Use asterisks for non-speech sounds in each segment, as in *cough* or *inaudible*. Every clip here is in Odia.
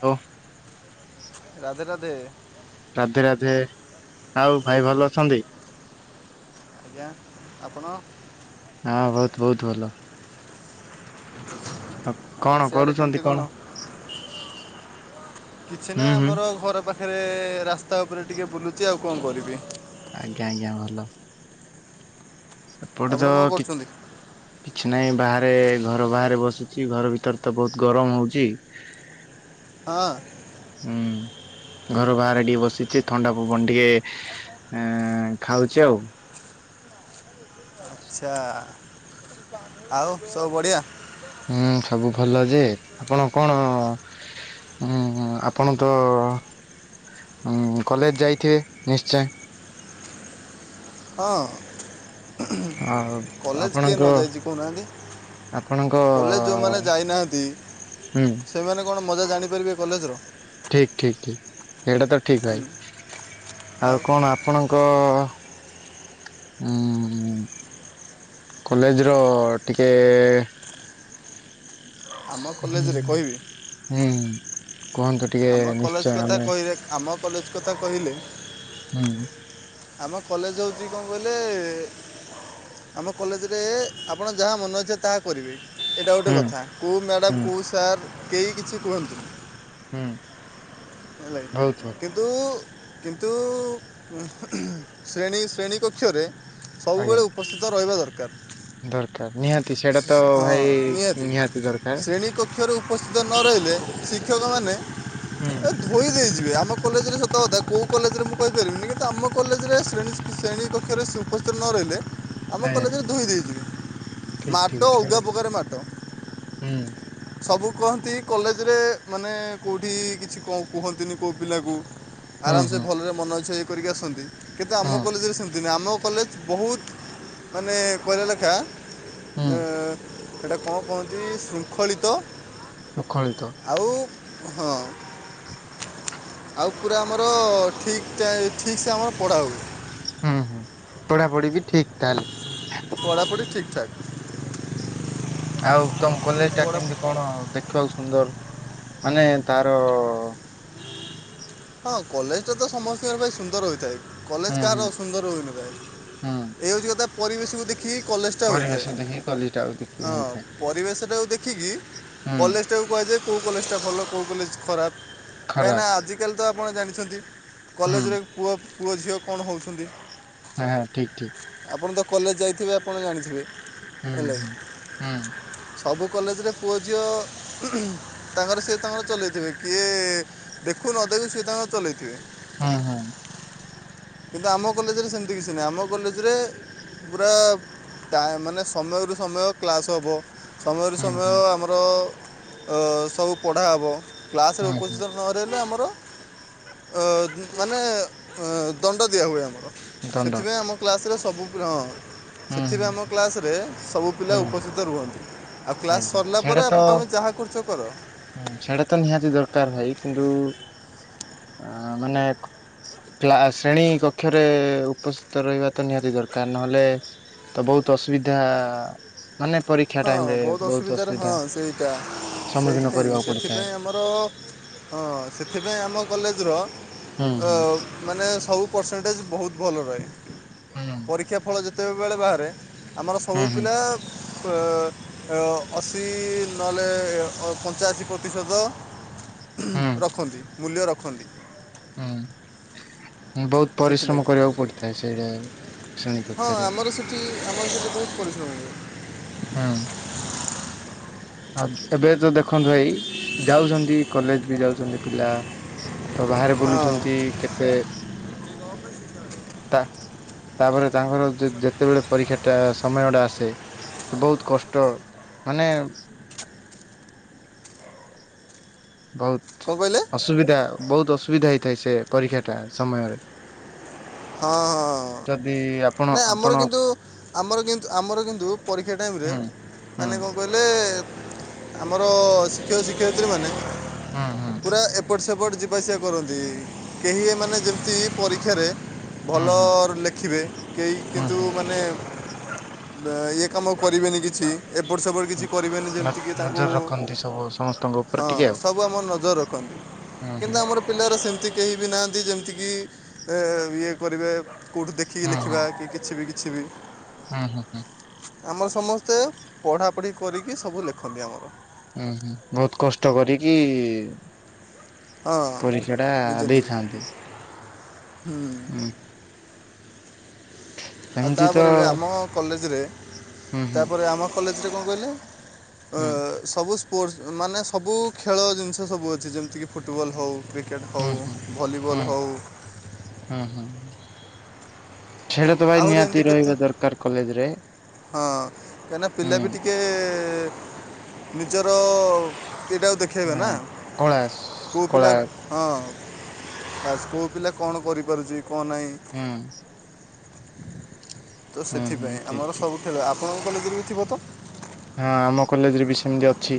ତ ରାଧେ ରାଧେ। ରାଧେ ରାଧେ ଆଉ ଭାଇ ଭଲ ଅଛନ୍ତି? ଆଜ୍ଞା ଆପଣ? ହଁ ବହୁତ ବହୁତ ଭଲ। ଆଉ ସିଆଡ଼େ କେମିତି କଣ? କିଛି ନା ହୁଁ ହୁଁ ଆମର ଘର ପା ଖରେ ରାସ୍ତା ଉପରେ ଟିକେ ବୁଲୁଛି ଆଉ କଣ କରିବି? ଆଜ୍ଞା ଆଜ୍ଞା ଭଲ। ଏପଟେ ଆପଣ ତ କ'ଣ କି କରୁଛନ୍ତି କିଛି ନାହିଁ ବାହାରେ ଘର ବାହାରେ ବସୁଛି ଘର ଭିତରେ ତ ବହୁତ ଗରମ ହଉଛି। ହଁ। ହୁଁ ଘରୁ ବାହାରେ ଟିକେ ବସିଛି ଥଣ୍ଡା ପବନ ଟିକେ ହୁଁ ଖାଉଛି ଆଉ। ଆଚ୍ଛା ଆଉ ସବୁ ବଢ଼ିଆ। ହୁଁ ସବୁ ଭଲ ଯେ ଆପଣ କଣ? ଉ ଆପଣ ତ ଉ କଲେଜ ଯାଇଥିବେ ନିଶ୍ଚୟ। ହଁ। ଆଉ କଲେଜ କିଏ ଆପଣଙ୍କ ନ ଯାଇଛି କହୁନାହାନ୍ତି? ଆପଣଙ୍କ କଲେଜ ଯଉଁମାନେ ଯାଇନାହାନ୍ତି ହୁଁ ସେମାନେ କଣ ମଜା ଜାଣିପାରିବେ କଲେଜର। ଠିକ୍ ଠିକ୍ ଠିକ୍ ଏଇଟା ତ ଠିକ୍ ଭାଇ ଆଉ କଣ ଆପଣଙ୍କ ହୁଁ କଲେଜ ର ଟିକେ ଆମ ହୁଁ କଲେଜରେ କହିବି ହୁଁ କୁହନ୍ତୁ ଟିକେ ଆମ କଲେଜ ନିଶ୍ଚୟ ଆମେ *unintelligible* କଲେଜ କଥା କହିଲେ ହୁଁ ଆମ କଲେଜ ହେଉଛି କଣ କହିଲେ? ଆମ କଲେଜ ରେ ଆପଣ ଯାହା ମନ ଇଚ୍ଛା ତାହା କରିବେ। ଏଇଟା ଗୋଟେ ହୁଁ କଥା କୋଉଁ ହୁଁ ମ୍ୟାଡ଼ାମ କୋଉଁ ସାର୍ କେହି କିଛି କୁହନ୍ତିନି। ହୁଁ ହେଲା ବହୁତ କିନ୍ତୁ ନ୍ତୁ କିନ୍ତୁ ଶ୍ରେଣୀ ଶ୍ରେଣୀ କକ୍ଷରେ ଭଲ ଆଜ୍ଞା ସବୁବେଳେ ଉପସ୍ଥିତ ରହିବା ଦରକାର। ଦରକାର ନିହାତି ସେଇଟା ତ ଭାଇ ନିହାତି ଦରକାର। ଶ୍ରେଣୀ କକ୍ଷରେ ଉପସ୍ଥିତ ନ ରହିଲେ ଶିକ୍ଷକମାନେ ହୁଁ ଏ ଧୋଇ ଦେଇଯିବେ ଆମ କଲେଜରେ ସତକଥା କୋଉ କଲେଜରେ ମୁଁ କହିପାରିବିନି କିନ୍ତୁ ଆମ କଲେଜରେ ଶ୍ରେଣୀ ଶ୍ରେଣୀ କକ୍ଷରେ ଉପସ୍ଥିତ ନ ରହିଲେ ଆମ ଆଜ୍ଞା କଲେଜରେ ଧୋଇ ଦେଇଯିବେ। ଠିକ୍ ଠିକ୍ ତ ଅଲଗା ସେଇଟା ପ୍ରକାରେ ମାଡ। ହୁଁ ସବୁ କୁହନ୍ତି କଲେଜରେ ମାନେ କେଉଁଠି କିଛି କ କୁହନ୍ତିନି କୋଉ ପିଲାକୁ। ହୁଁ ଆରାମସେ ହୁଁ ଭଲରେ ମନଇଛା ଇଏ କରିକି ଆସନ୍ତି କିନ୍ତୁ ହୁଁ ଆମ କଲେଜରେ ସେମିତି ନାହିଁ ଆମ କଲେ ବହୁତ୍ ମାନେ କହିଲ ଲେଖା ହୁଁ ଏଁ ହେଟା କଣ କହନ୍ତି ଶୃଙ୍ଖଳିତ ମୁଖଳିତ। ଆଉ ହଁ। ଆଉ ପୁରା ଆମର ଠିକ୍ ଟା ଠିକ୍ ସେ ଆମର ପଢ଼ା ହୁଏ। ହୁଁ ହୁଁ ପଢ଼ାପଢ଼ି ବି ଠିକ୍ ତାହେଲେ। ପଢ଼ାପଢ଼ି ଠିକ୍ ଠାକ୍। ଆଉ ତମ କଲେଜ ଟା ପଢ଼ା କେମତି? କଣ ଦେଖିବାକୁ ସୁନ୍ଦର ମାନେ ତାର ହଁ କଲେଜ ଟା ତ ସମସ୍ତିଙ୍କର ପାଇଁ ସୁନ୍ଦର ହୋଇଥାଏ। କଲେଜ ହୁଁ କାହାର ହୁଁ ଅସୁନ୍ଦର ହୋଇନଥାଏ ହୁଁ ଏଇଆ ହଉଛି କଥା ପରିବେଶକୁ ଦେଖିକି କଲେଜ ଟା ହୋଇଥାଏ ପରିବେଶ ଦେଖିକି କଲିଟା ଆଉ ଦେଖି ହଁ ହେଇଥାଏ ପରିବେଶଟା କୁ ଦେଖିକି ହୁଁ କଲେଜ। ଟାକୁ କୁହାଯାଏ କୋଉ କଲେଜଟା ଭଲ କୋଉ କଲେଜ ଖରାପ କାହିଁକିନା ଖରାପ ଆଜିକାଲି ତ ଆପଣ ଜାଣିଛନ୍ତି। କଲେଜ ହୁଁ ରେ ପୁଅ ପୁଅ ଝିଅ କଣ ହଉଛନ୍ତି। ହାଁ ହାଁ ଠିକ୍ ଠିକ୍। ଆପଣ ତ କଲେଜ ଯାଇଥିବେ ଆପଣ ଜାଣିଥିବେ। ହୁଁ ହେଲା କି ହୁଁ ହୁଁ। ସବୁ କଲେଜରେ ପୁଅ ଝିଅ ତାଙ୍କର ସିଏ ତାଙ୍କର ଚଲେଇ ଥିବେ କିଏ। ଦେଖୁ ନଦେଖେ ସିଏ ତାଙ୍କର ଚଲେଇ ଥିବେ। ହୁଁ ହୁଁ। କିନ୍ତୁ ଆମ କଲେଜରେ ସେମିତି କିଛି ନାହିଁ ଆମ କଲେଜରେ। ପୁରା ଟା ମାନେ ସମୟରୁ ସମୟ କ୍ଲାସ୍ ହବ। ସମୟରୁ ହୁଁ ସମୟ ହୁଁ ଆମର ସବୁ ପଢ଼ା ହବ। କ୍ଲାସ୍ ରେ ହୁଁ ହୁଁ ହୁଁ ଉପସ୍ଥିତ ନ ରହିଲେ ଆମର ଏଁ ଦି ମାନେ ଏଁ। ଦଣ୍ଡ ଦିଆହୁଏ ଆମର ଦଣ୍ଡ ସେଥିପାଇଁ ଆମ କ୍ଲାସରେ ସବୁ ପି ହଁ। ହୁଁ ହୁଁ ସେଥିପାଇଁ ଆମ କ୍ଲାସରେ ସବୁ ପିଲା ହୁଁ ଉପସ୍ଥିତ ରୁହନ୍ତି। ଆଉ କ୍ଲାସ୍ ଆଜ୍ଞା ସରିଲା ପରେ ସେଇଟା ତ ବାପା ତମେ ଯାହା କରୁଛ କର। ହୁଁ ସେଇଟା ତ ନିହାତି ଦରକାର ଭାଇ କିନ୍ତୁ ଆ ମାନେ। କ୍ଲା ଶ୍ରେଣୀ କକ୍ଷରେ ଉପସ୍ଥିତ ରହିବା ତ ନିହାତି ଦରକାର ନହେଲେ। ତ ବହୁତ ଅସୁବିଧା ମାନେ ପରୀକ୍ଷା ଟାଇମରେ। ଅସୁବିଧା ରେ ହଁ ସେଇଟା ସମ୍ମୁଖୀନ ସେଇଟା ହିଁ କରିବାକୁ ପଡିଥାଏ ସେଥିପାଇଁ। ଆମର ହଁ ସେଥିପାଇଁ ଆମ କଲେଜର ହୁଁ ଅ ହୁଁ ମାନେ ସବୁ। ପରସେଣ୍ଟେଜ ବହୁତ ଭଲ ରହେ ହୁଁ ପରୀକ୍ଷା ଫଳ ଯେତେବେଳେ ବାହାରେ। ଆମର ସବୁ ହୁଁ ହୁଁ ପିଲା। ଏ ଅ ଅଶୀ ନହେଲେ ପଞ୍ଚାଅଶୀ ପ୍ରତିଶତ। ହୁଁ ରଖନ୍ତି ମୂଲ୍ୟ ରଖନ୍ତି। ହୁଁ ବହୁତ ସେଥିଲାଗି ପରିଶ୍ରମ କରିବାକୁ ପଡିଥାଏ ସେଇଟା। ଶ୍ରେଣୀ ହଁ କକ୍ଷରେ। ଆମର ସେଠି ଆମର ସେଠି ବହୁତ ପରିଶ୍ରମ ହୁଏ। ହୁଁ। ଆଉ ଏବେ ଯୋଉ ଦେଖନ୍ତୁ ଭାଇ ଯାଉଛନ୍ତି କଲେଜ ବି ଯାଉଛନ୍ତି ପିଲା। ତ ବାହାରେ ହଁ ବୁଲୁଛନ୍ତି କେତେ। *inaudible* ତା ତାପରେ ତାଙ୍କର ଯେ ଯେତେବେଳେ ପରୀକ୍ଷା ଟା ସମୟ ଟା ଆସେ। ତେ ବହୁତ କଷ୍ଟ ମାନେ। ବହୁତ। କଁ କଇଲେ? ଅସୁବିଧା ବହୁତ ଅସୁବିଧା ହେଇଥାଏ ସେ ପରୀକ୍ଷା ଟା ସମୟରେ। ହଁ। ଯଦି ଆପଣ ନାଇ ଆପଣ ଆମର କିନ୍ତୁ ଆମର କିନ୍ତ ଆମର କିନ୍ତୁ ପରୀକ୍ଷା ଟାଇମରେ ହୁଁ ହୁଁ ମାନେ କଣ କଇଲ। ହେଲେ ଆମର ଶିକ୍ଷକ ଶିକ୍ଷୟିତ୍ରୀ ମାନେ ହୁଁ ହୁଁ ପୁରା ଏ ଏପଟ୍ ସେପଟ୍ ଯିବା ଆସିବା କରନ୍ତି କେହି ଏମାନେ ଯେମିତି ପରୀକ୍ଷାରେ। ହୁଁ ଭଲ ହୁଁ ରୁ ଲେଖିବେ କେହି ହୁଁ କିନ୍ତୁ ହୁଁ ମାନେ। ଏ ଇଏ କାମ କରିବେନି କିଛି। ଏପଟ ସେପଟ କିଛି କରିବେନି ଯେମିତିକି ତାଙ୍କୁ ନଜର ରଖନ୍ତି ସବୁ ସମସ୍ତଙ୍କ ହଁ ସବୁ ଆମର ନଜର ରଖନ୍ତି। ହୁଁ‌ ହୁଁ। ପିଲାଗୁରା ସେମିତି କେହି ବି ନାହାନ୍ତି ଯେମିତିକି ଏ ଇଏ କରିବେ। କେଉଁଠୁ ଦେଖିକି ହୁଁ ହୁଁ ଲେଖିବା ହୁଁ କି କିଛି ବି କିଛି ବି। ହୁଁ ହୁଁ ହୁଁ। ଆମର ସମସ୍ତେ ପଢାପଢି କରିକି ସବୁ ଲେଖନ୍ତି ଆମର। ଉଁ ହୁଁ ବହୁତ କଷ୍ଟ କରିକି। ହଁ ପରୀକ୍ଷା ଟା ନିଜେ ନିଜେ ଦେଇଥାନ୍ତି। ହୁଁ। ହୁଁ। ଆଉ ସେମିତି ତ ତାପରେ ବି ଆମ କଲେଜରେ ହୁଁ ହୁଁ ତାପରେ ଆମ କଲେଜରେ କଣ କହିଲେ ଅଁ ହୁଁ ସବୁ ସ୍ପୋର୍ଟସ୍ ମାନେ ସବୁ ଖେଳ ଜିନିଷ ସବୁ ଅଛି ଯେମିତିକି ଫୁଟବଲ୍ ହଉ କ୍ରିକେ କେଟ୍ ହୁଁ ହୋଉ ହୁଁ ହୁଁ ଭଲିବଲ୍ ହୋଉ ହୁଁ ହୁଁ। ଖେଳ ତ ଭାଇ ଆହୁରି ଏମିତି ନିହାତି କେତେ ରହିବା ଦରକାର କଲେଜ ରେ। ହଁ କାଇଁନା ହୁଁ ପିଲା ବି ଟିକେ କେ ନିଜର ଏଇଟାକୁ ଦେଖ ଖେଇବେ ନା ହୁଁ କଳା କୋଉ କଳା ପିଲା ହଁ ବାସ କୋଉ ପିଲା କଣ କରିପାରୁଚି କଣ ନାହିଁ ହୁଁ। ତ ହୁଁ ହୁଁ ସେଥିପାଇଁ ଠିକ ଆମର ଠିକ ସବୁ ଖେଳ ଆପଣଙ୍କ କଲେଜରେ ବି ଥିବ ତ? ହଁ ଆମ କଲେଜରେ ବି ସେମିତି ଅଛି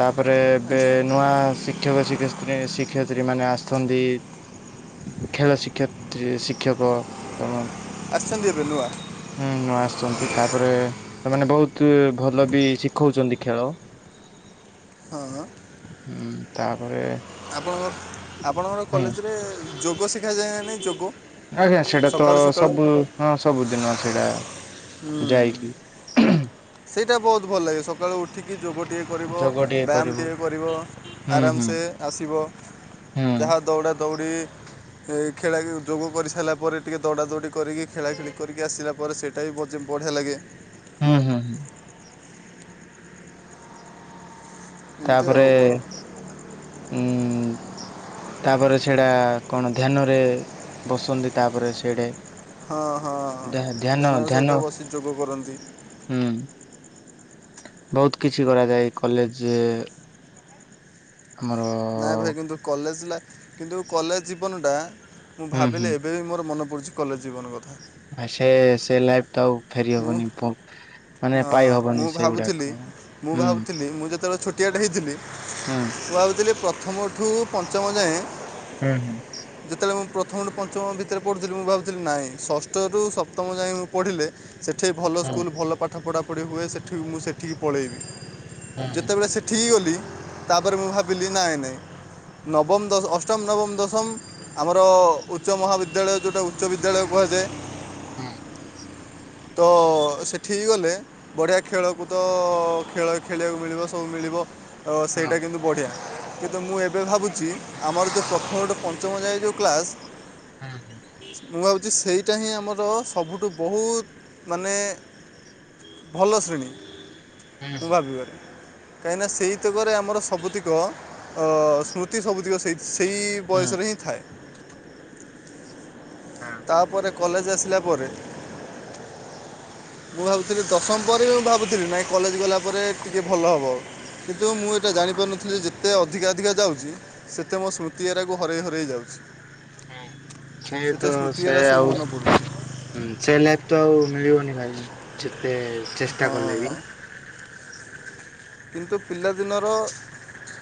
ତାପରେ ଏବେ ଆଜ୍ଞା ନୂଆ ସି ଶିକ୍ଷକ ଶିକେସତ୍ରୀ ଶିକ୍ଷୟତ୍ରୀମାନେ ଆସିଚନ୍ତି। ଖେଳ ଶିକ୍ଷୟତ୍ରୀ ଶିକ୍ଷକ ଏବଂ ଆସଚନ୍ତି ଏବେ ନୂଆ? ହୁଁ ନ ଆସିଚନ୍ତି ତାପରେ ସେମାନେ ବହୁତ ଭଲ ବି ଶିଖଉଛନ୍ତି ଖେଳ। ହଁ। ହୁଁ ତାପରେ ଆପଣଙ୍କ ଆପଣଙ୍କର ହୁଁ କଲେଜରେ ଯୋଗ ଶିଖାଯାଏ ନା ନାହିଁ ଯୋଗ? ଆଜ୍ଞା ସେଇଟା ତ ସକାଳୁ ସକାଳୁ ସବୁ ହଁ ସବୁଦିନ ସେଇଟା। ହୁଁ ଯାଇକି ସେଇଟା ବହୁତ ଭଲ ଲାଗେ ସବୁ ସକାଳୁ ଉଠିକି ଯୋଗ ଟିିକେ କରିବ ଯୋଗ ଟିକେ ବ୍ୟାୟାମ କରିବୁ ଟିକିଏ କରିବ ହୁଁ ହୁଁ ଆରାମସେ ଆସିବ। ହୁଁ ଯାହା ଦୌଡ଼ା ଦୌଡ଼ି ଏ ଖେଳା ଖେ ଯୋଗ କରିସାରିଲା ପରେ ଟିକେ ଦୌଡ଼ା ଦୌଡ଼ି କରିକି ଖେଳାଖେଳି କରିକି ଆସିଲା ପରେ ସେଠ ଏଇ ଭୋଜି ବଢିଆ ଲାଗେ ହୁଁ, ହୁଁ, ହୁଁ। ଏମିତି ଆଉ ତାପରେ କ'ଣ ଉଁ ତାପରେ ସେଡା କଣ ଧ୍ୟାନ ରେ ବସନ୍ତି ତାପରେ ସେଏଠେ ହଁ ହଁ ହଁ ଧ୍ୟାନର ଧ୍ୟାନ ସହିତ ବସି ଯୋଗ କରନ୍ତି। ହୁଁ। ବହୁତ କିଛି କରାଯାଏ କଲେଜ ଆମର ନାଇଁ ଭାଇ କିନ୍ତୁ କଲେଜ ଲା କିନ୍ତୁ କଲେଜ ଜୀବନଟା ମୁଁ ହୁଁ ହୁଁ ଭାବିଲେ ଏବେ ବି ମୋର ମନ ପଡୁଚି କଲେଜ ଜୀବନ କଥା। ଆ ସେ ସେ ଲାଇଫ୍ ତ ଆଉ ମୁଁ ଫେରିହବନି ପ ମାନେ ପାଇ ହଁ, ହବନି ମୁଁ ଭାବୁଥିଲି ସେଗୁଡାକ ମୁଁ ହୁଁ। ଭାବୁଥିଲି ମୁଁ ଯେତବେଳେ ଛୋ ଟିଆଟେ ହେଇଥିଲି ହୁଁ। ମୁଁ ଭାବୁଥିଲି ପ୍ରଥମଠୁ ପଞ୍ଚମ ଯାଏଁ ହୁଁ ହୁଁ। ଯେତେବେଳେ ମୁଁ ପ୍ରଥମରୁୁ ପଞ୍ଚମ ଭିତରେ ପଢୁଥିଲି ମୁଁ ଭାବୁଥିଲି ନାଇଁ ଷଷ୍ଠରୁ ସପ୍ତମ ଯାଏ ମୁଁ ପଢ଼ିଲେ ସେଠେଇ ଭଲ ହୁଁ ସ୍କୁଲ ଭଲ ପାଠ ପଢ଼ାପଢ଼ି ହୁଏ ସେଠିକୁ ମୁଁ ସେଠିକି ପଳେଇବି ହୁଁ ଯେତେବେଳେ ସେ ଠିକି ଗଲି ତାପରେ ମୁଁ ଭାବିଲି ନାଇଁ ନାଇଁ ନବମ ଦଶ ଅଷ୍ଟମ ନବମ ଦଶମ ଆମର ଉଚ୍ଚ ମହାବିଦ୍ୟାଳୟ ଜୋଉଟା ଉଚ୍ଚ ବିଦ୍ୟାଳୟ କୁହାଯାଏ। ହୁଁ ତ ସେଠିକି ଗଲେ ବଢିଆ ଖେଳକୁଦ, ଖେଳ ଖେଳିବାକୁ ମିଳିବ, ସବୁ ମିଳିବ। ତ ହଁ ସେଇଟା କିନ୍ତୁ ବଢ଼ିଆ। କିନ୍ତୁ ମୁଁ ଏବେ ଭାବୁଛି ଆମର ଯେଉଁ ପ୍ରଥମଠୁ ପଞ୍ଚମ ଯାଏ ଯେଉଁ କ୍ଲାସ୍ ହୁଁ ହୁଁ। ମୁଁ ଭାବୁଛି ସେଇଟା ହିଁ ଆମର ସବୁଠୁ ବହୁତ ମାନେ ଭଲ ଶ୍ରେଣୀ ହୁଁ ମୁଁ ଭାବିବାରେ। କାହିଁକିନା ସେଇତକରେ ଆମର ସବୁତିକ ଅ ସ୍ମୃତି ସବୁତିକ ସେଇ ସେଇ ବୟସରେ ହୁଁ ହିଁ ଥାଏ। ହଁ। ତାପରେ କଲେଜ ଆସିଲା ପରେ ମୁଁ ଭାବୁଥିଲି ଦଶମ ପରେ ବି ମୁଁ ଭାବୁଥିଲି ନାଇଁ କଲେଜ ଗଲା ପରେ ଟିକେ ଭଲ ହବ। କିନ୍ତୁ ମୁଁ ଏଇଟା ଜାଣିପାରୁନଥିଲି, ଯେତେ ଅଧିକା ଅଧିକା ଯାଉଛି ସେତେ ମୋ ସ୍ମୃତି ହେରାକୁ ହରେଇ ହରେଇ ଯାଉଛି। ହଁ ସିଏ ସେତେ ତ ସ୍ମୃତି ଏରା ସେଇଆ ସବୁ ଆଉ। ମନେ ପଡ଼ୁଛି ହଁ ସେ ଲାଇଫ ତ ଆଉ ମିଳିବନି ଭାଇ ଯେତେ ଚେଷ୍ଟା କଲେ ବି। ହଁ। କିନ୍ତୁ ପିଲାଦିନର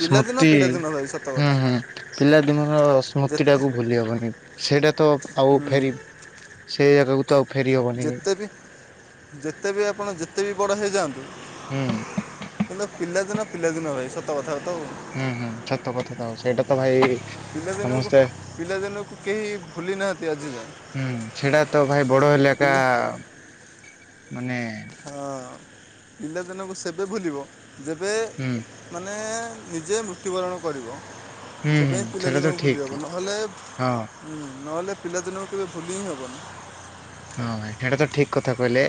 ପିଲାଦିନ ସ୍ମୃତି ପିଲାଦିନ ଭାଇ ସତ ହୁଁ କଥା। ହୁଁ ପିଲାଦିନର ଯେତେ ସ୍ମୃତିଟାକୁ ଭୁଲି ହବନି, ସେଇଟା ତ ଆଉ ହୁଁ, ଫେରି ସେଇ ଜାଗାକୁ ତ ଆଉ ଫେରି ହବ ଯେତେ ବି, ଯେତେ ବି, ଆପଣ ଯେତେ ବି ବଡ ହେଇଯାଆନ୍ତୁ ହୁଁ କିନ୍ତୁ ପିଲାଦିନ ପିଲାଦିନ ଭାଇ ସତ କଥା ତ ଆଉ। ହୁଁ ହୁଁ, ସତ କଥା ତ ଆଉ ସେଇଟା ତ ଭାଇ। ପିଲାଦିନକୁ, ସମସ୍ତେ ପିଲାଦିନକୁ କେହି ଭୁଲି ନାହାନ୍ତି ଆଜି ଯାଏ। ହୁଁ ସେଟା ତ ଭାଇ ବଡ ହେଲେ ଏକା ମାନେ ହଁ ପିଲାଦିନକୁ ସେବେ ଭୁଲିବ, ଯେବେ ହୁଁ ମାନେ ନିଜେ ମୃତ୍ୟୁବରଣ କରିବ। ହୁଁ ସେବେ ହୁଁ ହିଁ ପିଲା ସେଇଟା ତ ଦିନକୁ ଭୁଲି ଠିକ ହେବ, ଠିକ ନହେଲେ ହଁ ହୁଁ ନହେଲେ ପିଲାଦିନଙ୍କୁ କେବେ ଭୁଲି ହିଁ ହେବନି। ହଁ ଭାଇ ସେଇଟା ତ ଠିକ କଥା କହିଲେ।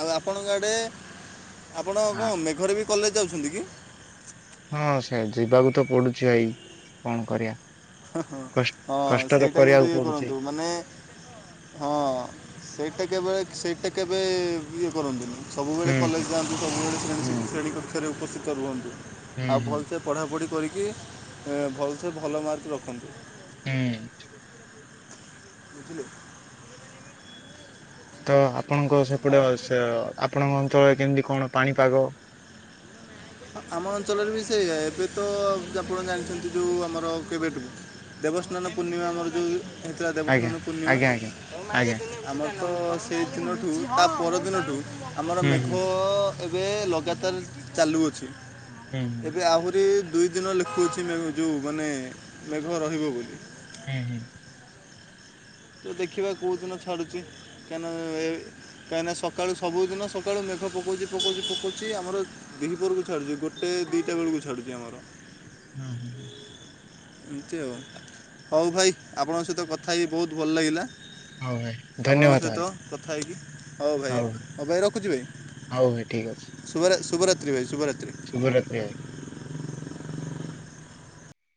ଆଉ ଆପଣଙ୍କ ଆଡେ, ଆପଣ ଆ କଣ ମେଘରେ ବି କଲେଜ ଯାଉଛନ୍ତି କି? ହଁ ସେ ଯିବାକୁ ତ ପଡୁଛି ଭାଇ, କଣ କରିବା? କଷ୍ ହଁ କଷ୍ଟ ତ ସେଇଟା କିନ୍ତୁ କରିବାକୁ ଇଏ ପଡୁଛି କରନ୍ତୁ, ମାନେ ହଁ ସେଇଟା କେବେ, ସେଇଟା କେବେ, ଇଏ କରନ୍ତିନି। ସବୁବେଳେ ହୁଁ ହୁଁ କଲେଜ ଯାଆନ୍ତୁ, ସବୁବେଳେ ହୁଁ ଶ୍ରେଣୀ ଶ୍ରେଣୀ କକ୍ଷରେ ଉପସ୍ଥିତ ରୁହନ୍ତୁ। ହୁଁ ଆଉ ହୁଁ ଭଲସେ ପଢ଼ାପଢ଼ି କରିକି, ଭଲସେ ଭଲ ମାର୍କ ରଖନ୍ତୁ। ହୁଁ। ବୁଝିଲେ? ତ ଆପଣଙ୍କ ସେପଟେ ସେ ଆପଣଙ୍କ ଅଞ୍ଚଳରେ କେମତି କଣ ପାଣିପାଗ? ଆମ ଅଞ୍ଚଳରେ ବି ସେଇଆ, ଏବେ ତ ଆପଣ ଜାଣିଛନ୍ତି ଯେଉଁ ଆମର କେବେଠୁ ଦେବସ୍ନାନ ପୂର୍ଣ୍ଣିମା ଆମର ଯୋଉ ହେଇଥିଲା, ଆଜ୍ଞା ଦେବସ୍ନାନ ପୂର୍ଣିମା। ଆଜ୍ଞା ଆଜ୍ଞା ଆଜ୍ଞା ଆମର ତ ସେଇ ଦିନଠୁ, ତା ପରଦିନଠୁ, ଆମର ହୁଁ ମେଘ ହୁଁ ଏବେ ଲଗାତାର ଚାଲୁଅଛି, ହୁଁ ଏବେ ଆହୁରି ଦୁଇ ଦିନ ଲେଖୁଅଛି, ମେଘ ଯୋଉ ମାନେ ମେଘ ରହିବ ବୋଲି। ହୁଁ ହୁଁ। ତ ଦେଖିବା କେଉଁଦିନ ଛାଡ଼ୁଛି, କାହିଁ ନା ଏ କାହିଁକିନା ସକାଳୁ ସବୁଦିନ ସକାଳୁ ମେଘ ପକାଉଛି, ପକାଉଛି, ପକାଉଛି, ଆମର ଦିହିପରକୁ ଛଡ଼ୁଛି ଗୋଟେ ଦୁଇଟା ବେଳକୁ ଛାଡ଼ୁଛି ଆମର। ହୁଁ। ଏମତି ଆଉ। ହଉ ଭାଇ ଆପଣଙ୍କ ସହିତ କଥା ହେଇି ବୋହୁତ୍ ଭଲ ଲାଗିଲା। ହଉ ଭାଇ ଆପଣଙ୍କ ଧନ୍ୟବାଦ ଭାଇ ସହିତ କଥା ହେଇକି ହଉ ଭାଇ ହଉ ଭାଇ ରଖୁଛି ଭାଇ। ହଉ ଭାଇ ଠିକ ଅଛି ଶୁଭ-ଶୁଭରାତ୍ରି ଭାଇ ଶୁଭରାତ୍ରି। ଶୁଭରାତ୍ରି ଆ